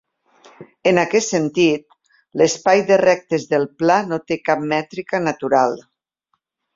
En aquest sentit, l'espai de rectes del pla no té cap mètrica natural.